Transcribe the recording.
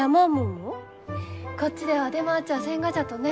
こっちでは出回っちゃあせんがじゃとね。